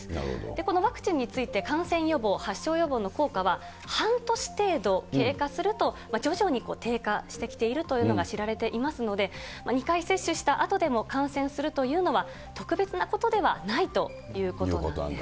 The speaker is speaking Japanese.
このワクチンについて、感染予防、発症予防の効果は、半年程度経過すると、徐々に低下してきているというのが知られていますので、２回接種したあとでも、感染するというのは、特別なことではないということなんです。